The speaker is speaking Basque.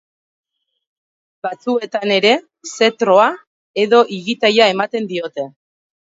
Batzuetan ere zetroa edo igitaia ematen diote.